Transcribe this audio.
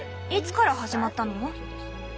いつから始まったの？